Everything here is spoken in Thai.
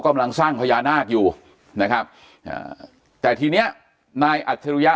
กำลังสร้างพญานาคอยู่นะครับอ่าแต่ทีเนี้ยนายอัจฉริยะ